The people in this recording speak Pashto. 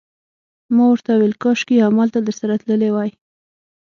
ما ورته وویل: کاشکي همالته درسره تللی وای.